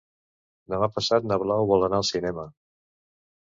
Demà passat na Blau vol anar al cinema.